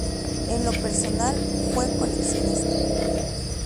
En lo personal, fue coleccionista.